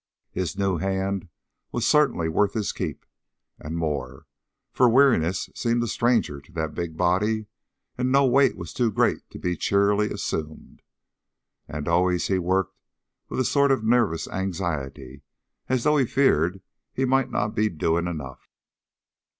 His new hand was certainly worth his keep, and more, for weariness seemed a stranger to that big body, and no weight was too great to be cheerily assumed. And always he worked with a sort of nervous anxiety as though he feared that he might not be doing enough.